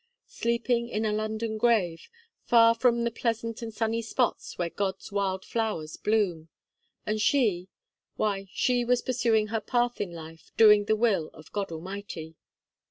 Sleeping in a London grave, far from the pleasant and sunny spots where God's wild flowers bloom. And she why she was pursuing her path in life, doing the will of God Almighty.